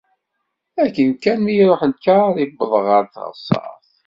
Akken kan mi iruḥ lkaṛ i wwḍeɣ ɣer teɣsert.